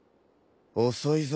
遅いぞ。